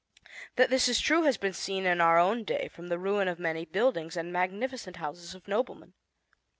That this is true has been seen in our own day from the ruin of many buildings and magnificent houses of noblemen.